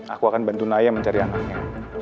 aku akan bantu naya mencari anaknya